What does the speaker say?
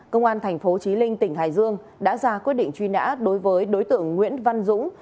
công an thành phố trí linh tỉnh hải dương đã ra quyết định truy nã đối với đối tượng nguyễn văn dũng